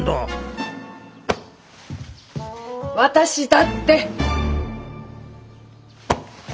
私だって！